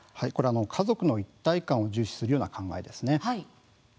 家族の一体感を重視するような考え方です。